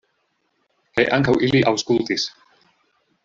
Kaj ankaŭ ili aŭskultis.